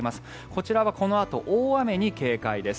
こちらはこのあと大雨に警戒です。